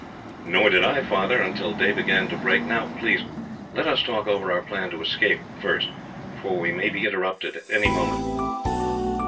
"Nor did I, Father, until day began to break. Now please, let us talk over our plan of escape first, for we may be interrupted at any moment."